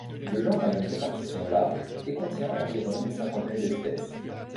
Le genre a une répartition large et contient environ une cinquantaine d'espèces.